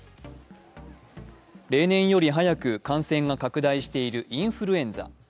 例年より早く感染が拡大しているインフルエンザ。